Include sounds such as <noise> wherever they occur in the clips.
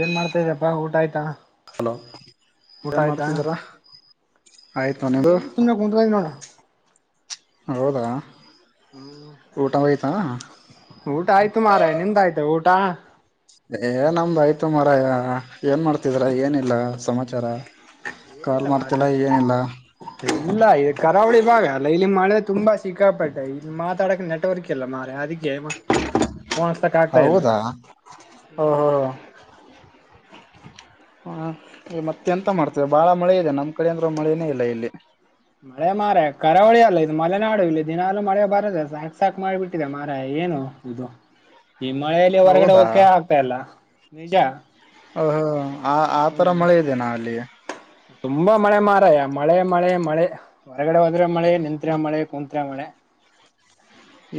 ಏನ್ ಮಾಡ್ತಾ ಇದ್ದಪ್ಪಾ ಊಟ ಆಯ್ತಾ ಹಲೋ ಊಟ ಏನ್ ಆಯ್ತಾ ಮಾಡ್ತಿದ್ದೀರ ಆಯ್ತು ಹ್ಮ್ ನಿನದು ಏನ್ ಸುಮ್ನೆ ಕುಂತ್ಕೊಂಡಿ ನೋಡು ಹೌದಾ ಹ್ಮ್ ಊಟ ಅಯತ ಊಟ ಆಯ್ತು ಮಾರಾಯ ನಿಂದಾಯ್ತು ಊಟ ಏ ನಮ್ದ ಆಯ್ತು ಮರಾಯ ಏನ್ ಮಾಡ್ತಿದ್ರ ಏನಿಲ್ಲ ಸಮಾಚಾರ ಕಾಲ್ ಏನಿಲ್ಲ ಮಾರಾಯ ಮಾಡ್ತಿಲ್ಲ ಏನಿಲ್ಲ ಇಲ್ಲ ಇ ಕರಾವಳಿ ಭಾಗ ಅಲ್ಲ ಇಲ್ಲಿ ಮಳೆ ತುಂಬಾ ಸಿಕ್ಕಾಪಟ್ಟೆ ಇ ಮಾತಾಡಕ್ಕೆ ನೆಟ್ವರ್ಕ್ ಇಲ್ಲಾ ಮಾರಾಯ ಅದಕ್ಕೆ. ಫೋನ್ ಹಚ್ಚಕ್ ಆಗ್ತಾ ಇಲ್ಲ ಹೌದಾ ಓ ಹೋ ಹ್ಮ್ ಹೋ. ಹಾ ಈ ಮತ್ತೆ ಎಂತ ಮಾಡ್ತೀಯ ಬಾಳ ಮಳೆ ಇದೆ ನಮ್ ಕಡೆ ಅಂದ್ರೇ ಮಳೆನೇ ಇಲ್ಲ ಇಲ್ಲಿ. ಮಳೆ ಮಾರಾಯ ಕರಾವಳಿ ಅಲ್ಲ ಇದು ಮಳೆ ನಾಡು ಇಲ್ಲಿ ದಿನಲೂ ಮಳೆ ಬರದೆ ಸಾಕ ಸಾಕ್ ಮಾಡಿಬಿಟ್ಟು. ಇದೆ ಮಾರಯ ಏನು ಇದು. ಹ <inaudible> ಈ ಮಳೆಯಲ್ಲಿ ಹೊರಗಡೆ ಹೋಗಕೆ ಆಗ್ತಾಲ್ಲ ನಿಜ. ಓಹೋ ಆ ಆ ತರ ಹ್ಮ್ ಮಳೆ ಇದೆ ನಾ ಅಲ್ಲಿ. ತುಂಬಾ ಮಳೆ ಮಾರಯ ಮಳೆ ಮಳೆ ಮಳೆ ಹೊರಗಡೆ ಹೋದ್ರೆ ಮಳೆ ನಿತ್ರೆ ಮಳೆ. ಕುಂತ್ರೆ ಮಳೆ.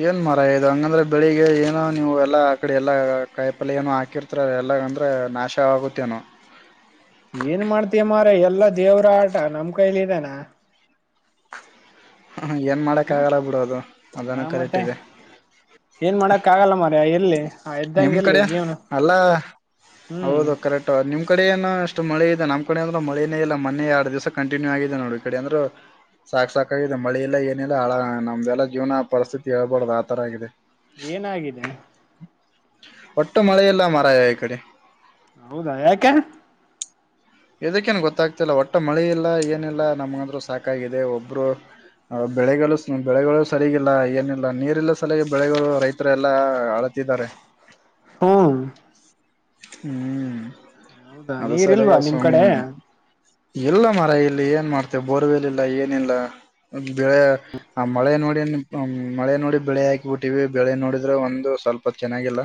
ಏನ್ ಮಾರಾಯ ಇದು ಹಂಗಂದ್ರೆ ಬೆಳಿಗೆ ಏನೋ ನೀವು ಎಲ್ಲಾ ಆ ಕಡೆ ಎಲ್ಲ ಕಾಯಿ ಪಲ್ಯ ಏನೋ ಹಾಕಿರ್. ಹತ್ರ ಎಲ್ಲ ಅಂದ್ರೇ ನಾಶವಗುತ್ತೇನೋ. ಏನ್ ಮಾಡ್ತೀಯ ಮಾರಯ ಎಲ್ಲಾ ದೇವ್ರ ಆಟ ನಮ್ ಕೈಲಿ ಇದಾನ. ಹ ಏನು ಮಾಡೋಕ್ಕಾಗಲ್ಲ ಬಿಡು ಅದು ಹಾ ಅದೇನೋ ಮತ್ತೆ ಕರೆಟ್ಟಿದೆ. ಏನ್ ಮಾಡಕ್ ಆಗಲ್ಲ ಮಾರಾಯ ಇರ್ಲಿ. ಆ ನಿಮ್ ಇದ್ದಂಗ ಇರ್ಲಿ ಕಡೆ ಜೀವನ ಅಲ್ಲ ಹ್ಮ್ ಹೌದು ಕರೆಕ್ಟ್. ನಿಮ್ ಕಡೆ ಏನು ಅಷ್ಟು ಮಳೆ ಇದೆ ನಮ್ಮ ಕಡೆ ಅಂದ್ರೆ ಮಳೆನೇ ಇಲ್ಲ ಮೊನ್ನೆ ಎರಡ್ ದಿವಸ ಕಂಟಿನ್ಯೂ ಆಗಿದೆ ನೋಡು ಈ ಕಡೆ ಅಂದ್ರೆ. ಸಾಕ್ ಸಾಕಾಗಿದೆ ಮಳೆ ಇಲ್ಲ ಏನಿಲ್ಲ ಹಾಳಾಗಿ ನಮ್ದೆಲ್ಲ ಜೀವನ ಪರಿಸ್ಥಿತಿ ಹೇಳ್ಬಾರ್ದ ಆ ತರ ಆಗಿದೆ. ಏನಾಗಿದೆ. ಒಟ್ಟು ಮಳೆಯಿಲ್ಲ ಮಾರಾಯ ಈ ಕಡೆ. ಹೌದಾ ಯಾಕೆ. ಇದಕ್ಕೇನು ಗೊತ್ತಾಗ್ತಿ ಇಲ್ಲ ಒಟ್ಟ ಮಳೆ ಇಲ್ಲ ಏನಿಲ್ಲ ನಮ್ಗಂದ್ರು ಸಾಕಾಗಿದೆ ಒಬ್ರು. ಬೆಳೆಗಳು ಬೆಳೆಗಳು ಸರಿಗಿಲ್ಲ ಏನಿಲ್ಲ ನೀರಿಲ್ಲ ಸಲಾಗಿ ಬೆಳೆಗಳು ರೈತ. ರೈತರೆಲ್ಲಾ ಅಳತಿದ್ದಾರೆ. ಹ್ಮ್. ಹ್ಮ್ ಹೌದಾ ಅದು ನೀರ್ ಸಲುವಾಗಿ ಇಲ್ವಾ ನಿಮ್ ಸ್ವಾಮಿ. ಕಡೆ ಇಲ್ಲ ಮಾರಾಯ ಇಲ್ಲಿ ಏನ್ ಮಾಡತೀಯಾ ಬೋರ್ವೆಲ್ ಇಲ್ಲ ಏನಿಲ್ಲ ಬೆಳೆ. ಆ ಮಳೆ ನೋಡಿ ಮಳೆ ನೋಡಿ ಬೆಳೆ ಹಾಕ್ಬಿಟ್ಟಿವಿ ಬೆಳೆ ನೋಡಿದ್ರೆ ಒಂದು ಸ್ವಲ್ಪ ಚೆನ್ನಾಗಿಲ್ಲ.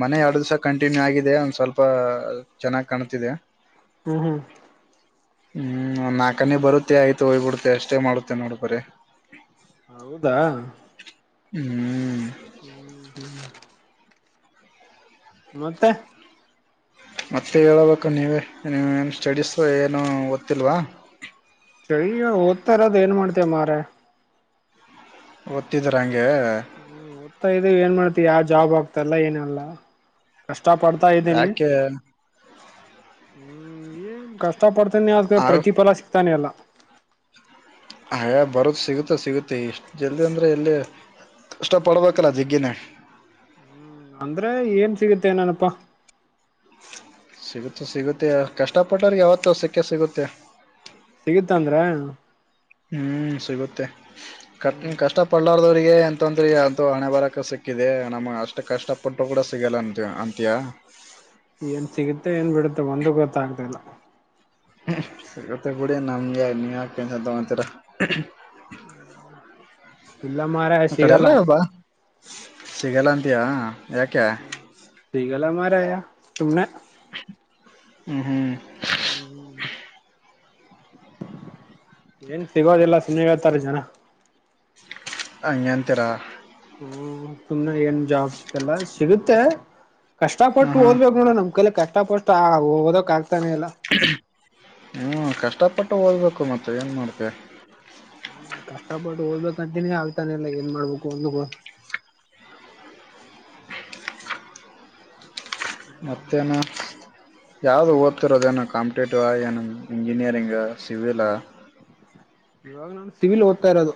ಮೊನ್ನೆ ಎರಡು ದಿವಸ ಕಂಟಿನ್ಯೂ ಆಗಿದೆ ಒಂದ್ ಸ್ವಲ್ಪ ಚೆನ್ನಾಗಿ್ ಕಾಣ್ತಿದೆ. ಹ್ಮ್ ಹ್ಮ್. ಹ್ಮ್ ಒಂದ್ ನಾಲ್ಕ ಹನಿ ಬರುತ್ತೆ ಆಯ್ತು ಹೋಗ್ಬ ಬಿಡುತ್ತೆ ಅಷ್ಟೇ ಮಾಡುತ್ತೆ ನೋಡ್ ಬರೇ. ಹೌದಾ. ಹ್ಮ್. ಹ್ಮ್ ಹ್ಮ್. ಮತ್ತೆ. ಮತ್ತೆ ಹೇಳಬೇಕು ನೀವೇ ನೀವು ಏನು ಸ್ಟಡೀಸ್ ಏನು ಓದ್ತಿಲ್ವಾ. ಹೋಗ್ತಾ ಇರೋದೇ ಏನ್ ಮಾಡತೀಯಾ ಮಾರಾಯ. ಓದತಿದಿರಾ ಹಂಗೆ. ಓದತಾ ಇದೀವಿ ಏನ್ ಮಾಡ್ತಿಯಾ ಯಾವ್ ಜಾಬ್ ಆಗ್ತಲ್ಲ ಏನಿಲ್ಲಾ ಕಷ್ಟ ಪಡ್ತಾಯಿದೀನಿ. ಕಷ್ಟ ಪಡ್ತಾಯಿದೀನಿ ಯಾಕೆ ಹ್ಮ ಏನ್ ಕಷ್ಟ ಪಡ್ತಾಯಿದೀನಿ. ಇನ್ನೂ ಅದಕ್ಕೆ ಪ್ರತಿಫಲ ಸಿಕ್ತಾನೆ ಇಲ್ಲ. ಹಯೇ ಬರುತ್ತೇ ಸಿಗುತ್ತೆ ಸಿಗುತ್ತೆ ಇಷ್ಟು ಜಲ್ದಿ ಅಂದರೆ ಎಲ್ಲಿ ಕಷ್ಟಪಡ್ಬೇಕಲ್ಲ ಜಗ್ಗಿನೇ. ಹ್ಮ್ ಅಂದ್ರೆ ಏನ್ ಸಿಗುತ್ತೆ ಏನೋನಪ್ಪ. ಸಿಗುತ್ತೆ ಸಿಗುತ್ತೆ ಕಷ್ಟ ಪಟ್ಟೋರ್ ಗೆ ಯಾವತ್ತು ಸಿಕ್ಕೇ ಸಿಗುತ್ತೆ. ಸಿಗುತ್ತೆ ಅಂದ್ರ. ಹ್ಮ್ ಸಿಗುತ್ತೆ ಹ್ಮ್ ಕ ಕಷ್ಟ ಪಳ್ಳಾರದವ್ರರಿಗೆ ಎಂತಂದ್ರೆ ಅಂತೂ ಹಣೆ ಬರಕ ಸಿಕ್ಕಿದೆ ನಮ್ಗೆ ಅಷ್ಟ್ ಕಷ್ಟಪಟ್ಟರು ಕೂಡ ಸಿಗಲ್ಲ ಅಂತ್ಯೆಯ ಏನ್ ಸಿಗುತ್ತೆ ಏನ್ ಬಿಡುತ್ತೆ ಒಂದ ಗೊತ್ತಾಗಗ್ತ ಇಲ್ಲ ಸಗತೆ ಬಡಿಯ ನಮ್ಮಗೆ ನೀ ಯಾಕಂತ ತ ಒಂತೀರ ಇಲ್ಲ ಮಾರಾಯ ಅ ಕಡೆ ಸಿಗಲ್ಲ ಎಲ್ಲ ಅಬ ಸಿಗಲ್ಲ ಅಂತಯಾ ಯಾಕ್ಯಾ ಸಿೀಗಲ್ಲ ಮಾರ ತುಮನೆ ಹ್ಮ್ ಹ್ಮ್ ಹ್ಮ್ ಹ್ಮ್ ಏನ್ ಸಿಗೋದಿಲ್ಲ ಸುಮ್ಮನೆ ಹಳ್ತಾರೆ ಜನ ಅಂಗಂತರ ಹ್ಮ ಸುಮ್ನೆ ಏನ್ ಜಾಬ್ ಸಿಕ್ಕಲ್ಲ ಸಿಗುತ್ತೆ ಕಷ್ಟ ಹ್ಮ್ ಪಟ್ಟು ಹ್ಮ್ ಓದ್ಬೇಕು ನೋಡ ನಮ್ ಕಲೆ ಕಷ್ಟ ಪಟ್ಟು ಆ ಓದಕ್ ಆಗ್ತಾನೆಲ್ಲ ಹ್ಮ ಕಷ್ಟಪಟ್ಟು ಓದ್ಬೇಕು ಮತ್ತೆ ಏನ್ ಮಾಡ್ಬೇಕ ಕಷ್ಟಪಟ್ಟು ಓದಬೇಕ ಅಂತಿನನಿ ಆಗ್ತಾನೆ ಇಲ್ಲ ಏನ್ ಮಾಡ್ಬೇಕು ಒಂದ ಮತ್ತೇನು ಯಾವ್ದು ಓಟ್ ಇತ್ತರೋದನ ಕಂಪಿಟೇಟಿವ ಏನು ಇಂಜಿನಿಯರಿಂಗ್ ಸಿಿವಲಾ ಇವಾಗ ನಾು ಸಿಿವಲ್ಓದತಾ ಇರೋದು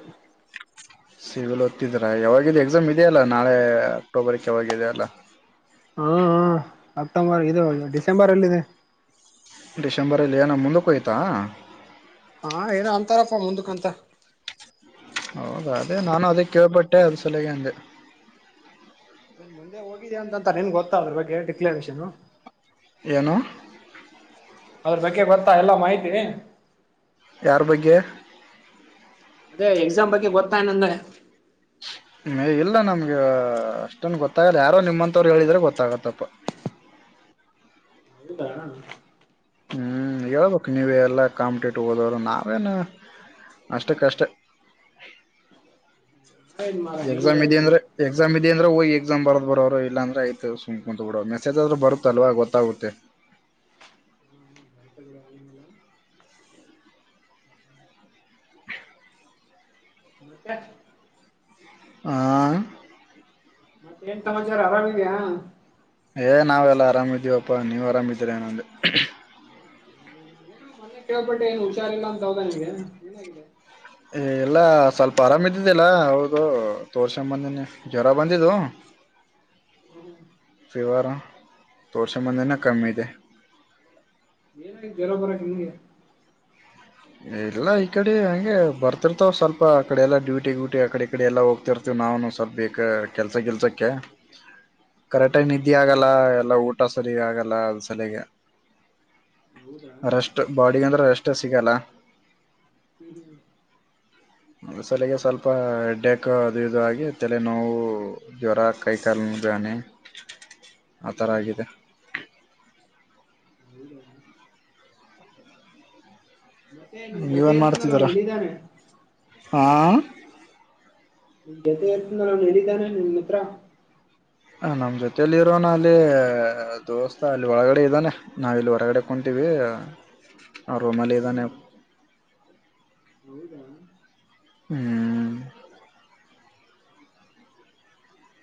ಸಿಲ್ ಹೊತ್ತಿದ್ರಾ ಯಾವಾಗಾಗಿದೆ ಎಕ್ಸಾಮ್ ಇದೆಯಲ್ಲ ನಾಳೆ ಅಕ್ಟೋಬರ್ಕ್ ಯಾವಾಗಿದ ಅಲ್ಲ ಹ್ಮ ಹ ಅಕ್ಟೋಂಬರ್ ಇದು ಡಿಸೆಂಬರ್ ಅಲ್ಲ ಇಿದೆ ಡಿಸೆಂಬರಲ್ಲಿ ಏನ ಮುಂದಕ್ಕೆೋಯ್ತಾ ಹಾ ಏನ ಅಂತಾರಪ್ಪ ಮುಂದಕ್ಂತ ಹೌದಾ ಅದೇ ನಾನು ಅದಕ್ಕೆ ಕೇೇಳಳ್ಬಟ್ಟೆ ಅದ ಸಲಗೆ ಅಂದೆ ನನ್ ಮುಂದೆ ಹೋಗಿದೀಯ ಅಂತ ಅಂತ ನೀನ್ ಗೊತ್ತಾ ಅದ್ರ ಬಗ್ಗೆ ಡಿಕ್ಲೇಷನ್ ಏನು ಅದ್ರ ಬಗ್ಗೆ ಗೊತ್ತಾ ಎಲ್ಲಾ ಮಾಹಿತಿ ಯಾರ ಬಗ್ಗೆ ಅದೇ ಎಕ್ಸಾಮ್ ಬಗ್ಗೆ ಗೊತ್ತತಾಯನಂದೆ ಹ್ಮ ಇಲ್ಲ ನಮ್ಗೆ ಅಷ್ಟೊನ್ ಗೊತ್ತಾಗಲ್ಲ ಯಾರೋ ನಿಮ್ಮಂತವ್ರು ಹೇಳಿದ್ರೆ ಗೊತ್ತಾಗತ್ತಪ್ಪ ಅಗೆ ಬ ಹ್ಞೂ ಹೇಳ್ಬೇಕು ನೀವ ಎಲ್ಲ ಕಾಂಪಿಟೇಟಿವ್ ಹೋದೋ್ರು ನಾವೇನು ಅಷ್ಟಕ್ಕಷ್ಟೇ ಮಾರ ನೀನೇ ಎಕ್ಸಾಮ್ ಇದೆ ಹೇಳ್ಬೇಕಲ್ಲ ಅಂದ್ರೆ ಎಕ್ಸಾಮ್ ಇದದೆ ಅ್ರೆ ಹೋಗಿ ಎಕ್ಸಾಮ ಬೋ ಬರೋರು ಇಲ್ಲ ಅ್ರ ಆಯತುಮ್ ಕುಂತ್ ಬಿಡ ಮೆಸೇಜ್ ಆದ್ರ ಬರುತ್ತಲ್ವ ಗೊತ್ತಾಗುತ್ತೆ <inaudible> ಮತ್ತ ಹಾ ಮತ್ತೇನ್ ಸಮಚಾರ ಆರಾಮಿದೆಯಾ ಏ ನಾವೆಲ್ಲ ಆರಾಮಿದಿವವಪ್ಪಾ ನೀವ್ ಆರಾಮಿದೀರನೊಂದು ಏನ ಮನೆಗ್ ಕೇಳ್ಬಟ್ಟ ಏನು ಹುಷಾರ್ಿಲ್ಲ ಅಂತ ಹ್ದ ನಿಮಗೆ ಏನಾಗಿದೆ ಎಲ್ಲ ಸ್ವಲ್ಪ ಆರಾಮ ಇದ್ದಿದ್ದಿಲ್ಲ ಹೌದು ತೋರ್ಸಂಬಂದಿನೇ ಜ್ವರ ಬಂದಿದ್ದ ಹ್ಮ್ ಸವಾರ ೋಡಸೆ ಮಂದೆ ನ ಕಮ್ಮಿ ಇದೆ ಏನ ಬರೋ ಬರಕ ನಿಂಗೆ ಎಲ್ಲ ಈ ಕಡೆ ಹಗೆ ಬರ್ತಿರ್ತಾವ ಸ್ವಲ್ಪ ಅ ಕಡೆ ಎಲ್ಲ ಡ್ಯೂಟಿ ಗ್ಯೂಟಿ ಆ ಕಡೆ ಕಡೆ ಎಲ್ಲ ಹೋಗ್ತಿರ್ತಾವ ನಾ ಸ್ವಲ್ಪ ಬ ಕೆಲ್ಸ ಕೆಲ್ಸಕ್ಕೆ ಕರೆಕ್ಟ್ ಇದ ಆಗಲ್ಲ ಹ್ಮ್ ಎಲ್ಲ ಊಟ ಸಲಿಗೆ ಆಗಲ್ಲ ಅದ್ ಸಲಗೆ ಹೌದಾ ಹ್ಮ್ ಅರಷ್ಟು ಬಾಡಿಗೆ ಅಂದ್ರೆ ರೆಸ್ಟೇ ಸಿಗಲ್ಲ ಹ್ಮ ಹ್ಮ ಮಸಲೆಗೆ ಸ್ವಲ್ಪ ಹೆಡ್ಡ್ಯಾಕು ಅದು ಇದು ಆಗಿ ತಲೆ ನೋವು ಜ್ವರ ಕೈ ಕಾಲ್ ಬಾಣೆ ಹ್ಮ್ ಆಥರ ಆಗಿದೆ ಹೌದ ಮತ್ತೆ ನಿನ್ ಜೊತೆ ಇರ್ತನ್ರ ಅವ್ನು ನಿಲ್ಲಿದ್ದಾನೆ ಹಾಂ ನಿಮ್ ಜೊತೆ ಇರ್ತನ ಅವ್ನು ಹೇಳಿದ್ದಾನೆ ನಿಮ ಹತ್ರ ಹಂ ನಮ್ಮ ಜೊತೆಯಲ್ಲಿ ಇರೋನ ಅಲ್ಲಿ ದೋಸ್ತಾ ಅಲ್ಲಿ ಒಳಗಡೆ ಇದ್ದಾನೆ ನಾಾವಿಲ್ಲಿ ಹೊರಗಡೆ ಕುಂತೀವಿ ಆ ರೂಮಲ್ಲಿ ಇದದಾನ ಹ್ಮ್ ಹೌದಾ ಹ್ಮ್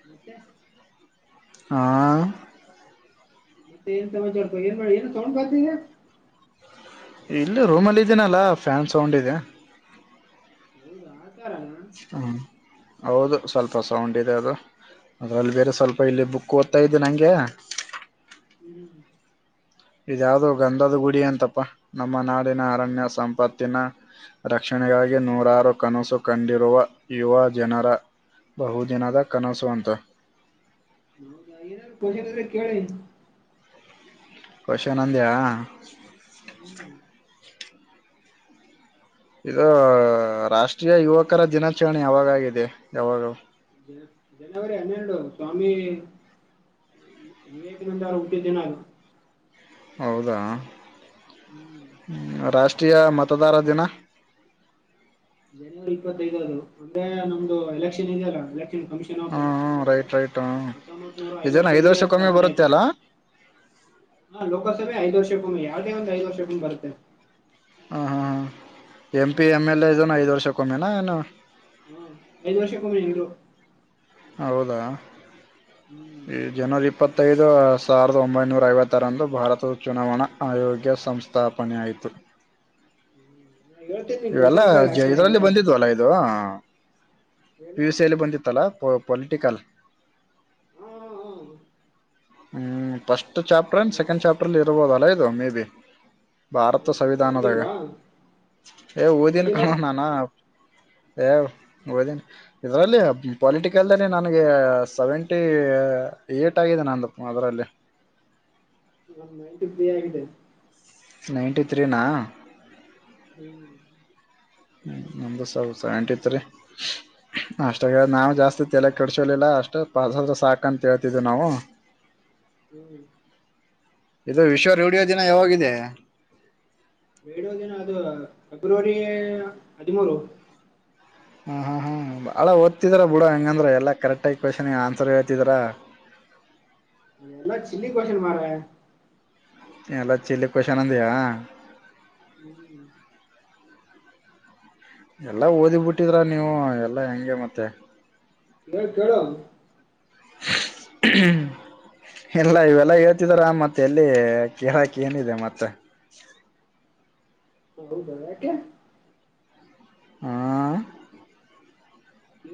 ಮತ್ತೆ ಹಾ ಏನ್ ಸಮ ಸ್ವಲ್ಪ ಏ ಮಾಡಿ ಏ ತಗೊಂಡ್ ಬಾತದೆ ಇಲ್ಲಿ ರೂಮಲ್ಲಿ ಇದೀನಲ್ಲ ಫ್ಯಾನ್ ಸೌಂಡ್ ಇದೆ ಹೌದಾ ಆ ತಾರಲ್ಲ ಹ್ಮ್ ಹೌದು ಸ್ವಲ್ಪ ಸೌಂಡ್ ಇದೆ ಅದು ಅದರಲ್ಲಿ ಬೇರೆ ಸ್ವಲ್ಪ ಇಲ್ಲಿ ಬುಕ್ ಓದ್ತ ಇದ್ದು ನನಗೆ ಹ್ಮ್ ಇದ ಯಾವ್ದೋ ಗಂಧದ ಗುಡಿ ಅಂತಪಾ ನಮ್ಮ ನಾಡಿನ ಅರಣ್ಯ ಸಂಪತ್ತಿನ ರಕ್ಷಣೆಗಾಗಿ ನೂರಾರು ಕನಸು ಕಂಡಿರುವ ಯುವ ಜನರ ಬಹು ದಿನದ ಕನಸು ಅಂತ ಹೌದಾ ಏನಾದ್ರರು ಪಷನಾದ್ರೆ ಕೇಳಿ ಷ ನಂದ್ಯಾ ಹ್ಮ್ ಇದು ರಾಷ್ಟ್ರೀಯ ಯುವಕರ ದಿನಾಚರಣೆ ಯಾವಾಗಾಗಿದೆ ಯಾವಾಗ ಜನವರಿ ಹನ್ನೆರಡು ಸ್ವಾಮಿ ವೇಗನಂದಾರು ಹುಟ್ಟಿದಿದ್ದನ ಹೌದಾ ಹ್ಮ್ ಹ ರಾಷ್ಟ್ರೀಯ ಮತದಾರ ದಿನ ಜನವರಿ ಇಪ್ಪತ್ತೈದದು ಅಂದ್ರೆ ನಮ್ದು ಎಲೆಕ್ಷನ್ ಇದೆೆಯಲ್ಲ ಎಲೆಕ್ಷನ್ ಕಮಿಷನ್ ಆಫ್ ಹ ಎಲೆಕ್ಷನ್ ಬೋರ್ಡ್ ರೈಟ್ ರೈಟ್ ಹ ಮತ್ತೊಂಬತ್ ನೂರ ಇದನ್ ಐವತ್ತ ಐದ್ ವರ್ಷಕ್ಕೊಮ್ಮೆ ಸ್ಥಾಪನೆ ಬರುತ್ತೆ ಆಿತು ಅಲ್ಲ ಹಾ ಲೋಕಸಭ ಐದ ವರ್ಷೂಮಿಾವ್ರಿಗೆ ಒಂದು ಐದು ವರ್ಷೂಮಿ ಬರುತ್ತೆ ಹ ಹಾ ಹ M P M L A ಇದನು ಐ್ ವರ್ಷಕ್ಕೊಮ್ಮೆನಾ ಏನು ಹ್ಮ ಐದು ವರ್ಷಕ್ಕಮ್ಮನ್ರು ಹೌದಾ ಹ್ಮ್ ಇದು ಜನವರಿ ಇಪ್ಪತ್ತೈದು ಸಾವಿರದ ಒಂಬೈನೂರ ಐವತ್ತಾರಂದು ಭಾರತ ಚುನಾವಣಾ ಆಯೋಗ್ಯ ಸಂಸ್ಥೆ ಸ್ಥಾಪನೆ ಆಯಿತು ಹೇಳ್ತೇ ಇವೆಲ್ಲಾ ಜ ಇದ್ರಲ್ಲಿ ಬಂದಿದ್ವಲ್ಲ ಇದು ಪಿ ಏನು ಯು ಸಿ ಅಲ್ಲಿ ಬಂದಿತ್ತಲ್ಲಾ ಪ ಪೊಲಿಟಿಕಲ್ ಹಾ ಹಾ ಹಾ ಹ್ಮ್ ಫಸ್ಟ್ ಚಾಪ್ಟರ್ ಎನ್ ನೀವು ಸೆಕೆಂಡ್ ಚಾಪ್ಟರ್ ಲ್ಲಿಯೇ ಇರ್ಬೋದು ಅಲಾ ಇದು ಮೇ ಬಿ ಹ್ಮ ಭಾರತ ನೀವು ಸಂವಿಧಾನದಾಗ ಓದಿಲ್ವಾ ಏ ನೀವು ಓದಿನ ಓದಿಲ್ಲ ಕಾಣೋ ನಾನು ಯ ಓದಿನಿ ಇದರಲ್ಲಿ ಪೊಲಿಟಿಕಲ್ಲೇ ನನಗೆ ಸೆವೆಂಟಿ ಏಟ್ ಆಗಿದೆ ನಂದು ಮದಲ್ಲ್ ಅಲೇ ನಮ್ಮ ನೈಟ್ ಫ್ರೀ ಆಗಿದ್ದೆ ನೈನ್ಟಿ ತ್ರೀನಾ ಹುಂ ಹುಂ ನಂಬ ಸ ಸೈಂಟತ್ರಿ ಅಷ್ಟರಾಗ ನಾವು ಜಾಸ್ತಿ ತಲೆ ಕಡಸಲಿಲ್ಲ ಅಷ್ಟೇ ಪಾರ್ಸಲ್ದೆ ಸಾಕಂತ ಹೇಳ್ತಿದ್ದವು ನಾವು <inaudible> ಹುಂ ಇದು ವಿಶ್ವ ರೇಡಿಯೋ ದಿನ ಯಾವಾಗಿದೆ ರೇಡಿಯೋ ದಿನ ಅದು ಫೆಬ್ರವರಿ ಗೇ ಹದಿಮೂರು ಹಾ ಹಾ ಹಂ ಬಹಳ ಓದ್ತೀರ ಬುಡು ಹಂಗಂದ್ರೆ ಎಲ್ಲಾ ಕರೆಕ್ಟಾಗಿ ಕೋಶ್ನ ಗೆ ಆನ್ಸರ್ ಹೇಳ್ತಿದ್ದರ್ ಅವೇಲಾ ಚಿಲ್ಲಿ ಕೊಶ್ನ್ ಮಾರಾಯಾ ಎಲ್ಲಾ ಚಿಲ್ಲಿ ಕೋಶ್ನಂದಯಾ ಹುಂ ಎಲ್ಲಾ ಓದಿಬಿಟ್ಟಿದ್ರ ನೀವು ಎಲ್ಲಾ ಹೆಂಗೆ ಮತ್ತೆ <unintelligible> ಕೇಳು ಹುಂ ಇಲ್ಲ ಇವೆಲ್ಲ ಹೇಳ್ತಿದಾರಾ ಮತ್ತೆ ಎಲ್ಲಿ ಕಿಳಾಕ ಏನಿದೆ ಮತ್ <unintelligible> ಹಾ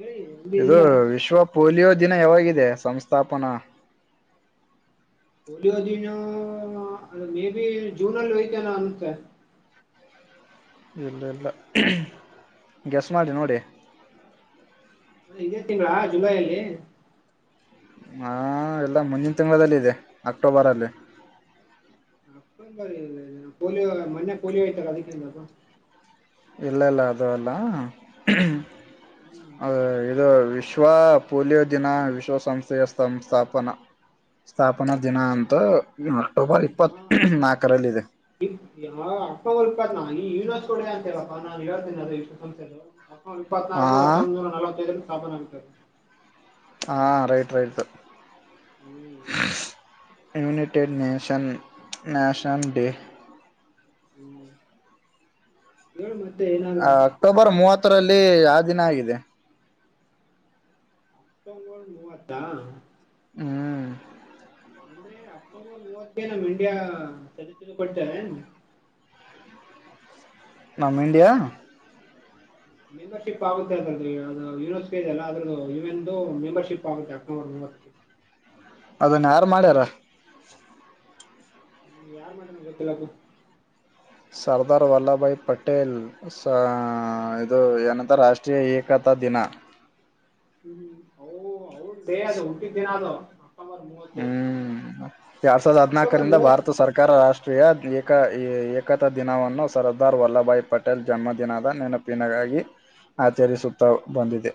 ಹೇಳಿ ಇದು ವಿಶ್ವ ಪೋಲಿಯೋ ದಿನ ಯಾವಾಗಿದೆ ವಿಶ್ವ ಸಂಸ್ಥಾಪನಾ ಪೋಲಿಯೋ ದಿನಾ ಮೇಬಿ ಜೂನ್ ಅಲ್ಲಿ ಐಯತೆನೆ ಅನ್ಂತೆೆ ಇಲ್ಲಾ ಇಲ್ಲಾ ಗೆಸ್ ಮಾಡಿ ನೋಡಿ ಇದೇ ತಿಂಗಳಾ ಜುಲೈ ಅಲ್ಲಿ ಹಾ ಇಲ್ಲಾ ಮುಂದಿನ ತಿಂಗಳಲ್ಲಿದೆ ಅಕ್ಟೋಬರಲ್ಲಿ ಅಕ್ಟೊಬರಾ ಇ ಪೋಲಿಯೋ ಮೊನ್ನೆ ಪೋಲಿಯೋ ಐತಾಲಾ ಅದಕ್ಕಿಂತಪ್ಪ ಇಲ್ಲಾ ಇಲ್ಲಾ ಅದು ಅಲ್ಲಾ ಹ್ಮ್ ಅ ಇದು ವಿಶ್ವ ಪೋಲಿಯೋ ದಿನಾ ವಿಶ್ವಸಂಸ್ಥೆಯ ಸಂಸ್ಥಾಪನಾ. ಸ್ಥಾಪನಾ ದಿನಾ ಅಂತಾ ಅಕ್ಟೋಬರ್ ಇಪ್ಪತ್ತು ನಾಲ್ಕರಲ್ಲಿ ಇದೆ ಇ ಯಾವ ಅಕ್ಟೋಬರ್ ನಾ ಯುವಿನಸ್ ಕೋಡೆ ಅಂತಲ್ಲಪ್ಪಾ ನಾನು ಹೇಳ್ತೇನಿ ಅದು ಇಷ್ಟು ಸಂಸ್ಥೆದು ಅಕ್ಟೋಬರ್ ಇಪ್ಪತ್ ಹಾ ನಾಲ್ಕುಹತ್ತೊಂಬತನೂರಾ ನಲವತ್ತೈದರಲ್ಲಿ ಸ್ಥಾಪನೆ ಆಗಿದೇ ಹಾ ರೈಟ್ ರೈಟ್ ಹ್ಮ್ ಯುನೈಟೆಡ್ ನೇಷನ್ ನ್ಯಾಷನಲ್ ಡೇ ಹುಂ ಹೇಳ ಮತ್ತೆ ಆ ಏನಾದ್ರೂ ಅಕ್ಟೋಬರ್ ಮೂವತ್ತರಲ್ಲಿ ಯಾ ದಿನಾ ಆಗಿದೆ ಅಕ್ಟೋಬರ್ ಮೂವತ್ತಾ ಹುಂ ಅಂದ್ರೆ ಅಕ್ಟೋಬರ್ ಮೂವತ್ತ ನಮ್ ಇಂಡಿಯಾ <unintelligible> ಕೊಡ್ತೇವೆ ನಮ್ಮ ಇಂಡಿಯಾ ಮೆಂಬರ್ಶಿಪ್ ಆಗುತ್ತೆ ಅ ಸರ್ ಅದು ಯನ ಎಲ್ಲ ಅದ್ರೂ ಇ ಎನ್ ಮೆಂಬರ್ಶಿಪ್ ಆಗುತ್ತೆ ಅಕ್ಟೋರ್ ಮೂವತ್ತು ಅದನ್ನ ಯಾರು ಮಾಡ್ಯಾರ ನೀ್ ಯಾರ್ ಮಾಡಣ ಗೊತ್ತಿಲ್ಲಪ್ಪ ಸರ್ದಾರ್ ವಲ್ಲಲಭ ಬಾಯ್ ಪಟೇಲ್ ಸ ಇದು ಏನಂತ ರಾಷ್ಟ್ರೀಯ ಏಕತಾ ದಿನ ಹ್ಮ ಅವ ಡೇ ಅದು ಹುಟ್ಟಿದ್ದೇನ ಅದು ಅಪ್ಪ ಹ್ಮ್ ಎರಡ್ ಸಾವಿರದ ಅಕ್ಟೋಬರ್ ಹದ್ನಾಲ್ಕರಿಂದ ಮೂವತ್ ಭಾರತ ಸರ್ಕಾರ ರಾಷ್ಟ್ರ ಯ್ ಏಕ ಏಕತಾ ದಿನವನ್ನು ಸರ್ದಾರ್ ವಲ್ಲಭ ಭಾಯ್ ಪಟೇಲ್ ಜನ್ಮದಿನದ ನೆನಪಿನಗಾಗಿ ಆಚರಿಸುತ್ತಾ ಬಂದಿದೆ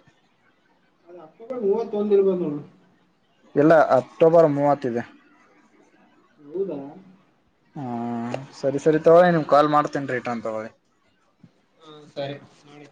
ಅದ ಅಕ್ಕಬ ಮೂವತೊಂದಿರ್ಬಂದೋು ಇಲ್ಲ ಅಕ್ಟೋಬರ್ ಮೂವತ್ತ ಇದೆ ಹೌದಾ ಹ್ಮ ಸರಿ ಸರಿ ತಗೋೊಳ್ಳಿ ನಿಮ್ ನೋಡ್ ಕಾಲ್ ಮಾಡ್ತೇನ್ ರೀ ಟಾನ್ ತಗೋಳಿ ಹಾ ಸರಿ ನೋಿ